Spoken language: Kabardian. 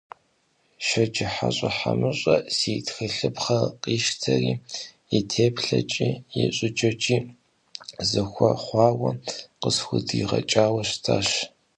ШэджыхьэщӀэ Хьэмыщэ си тхылъыпхъэр къищтэри, и теплъэкӀи, и щӀыкӀэкӀи зэхуэхъуауэ къысхудигъэкӀауэ щытащ.